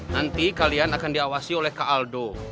nanti kalian akan diawasi oleh kak aldo